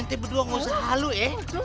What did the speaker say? ente berdua ngusur halus ya